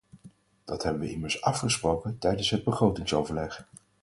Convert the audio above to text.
Dat hebben we immers afgesproken tijdens het begrotingsoverleg.